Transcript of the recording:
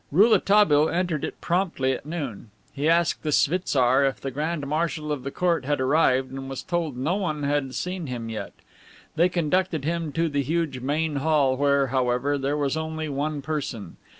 Rouletabille entered it promptly at noon. He asked the schwitzar if the Grand Marshal of the Court had arrived, and was told no one had seen him yet. They conducted him to the huge main hall, where, however, there was only one person.